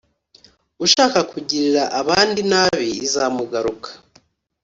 ushaka kugirira abandi inabi, izamugaruka